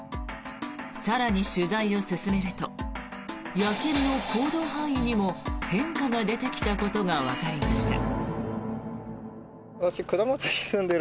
更に取材を進めると野犬の行動範囲にも変化が出てきたことがわかりました。